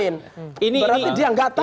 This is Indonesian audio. ada masih tabayun berarti oke